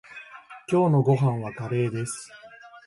今日のご飯はカレーです。